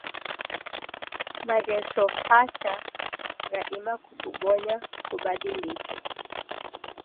Maghesho pacha ghadima kukubonya kubadilike.